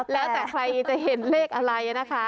แล้วแต่ใครจะเห็นเลขอะไรนะคะ